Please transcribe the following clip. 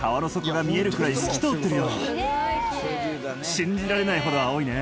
信じられないほど青いね。